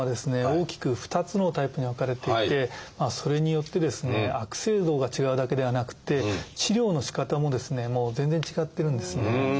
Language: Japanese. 大きく２つのタイプに分かれていてそれによってですね悪性度が違うだけではなくて治療のしかたもですね全然違ってるんですね。